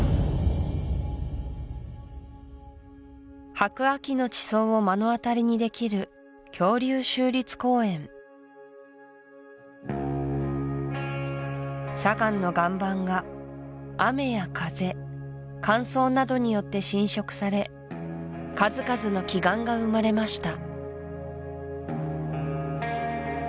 白亜紀の地層を目の当たりにできる恐竜州立公園砂岩の岩盤が雨や風乾燥などによって浸食され数々の奇岩が生まれました